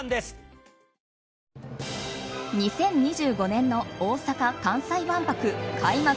２０２５年の大阪・関西万博開幕